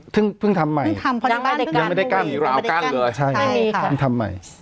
เพิ่งเพิ่งทำใหม่ยังไม่ได้ก้านยังไม่ได้ก้านใช่ค่ะทำใหม่